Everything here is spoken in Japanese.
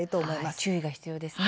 注意が必要ですね。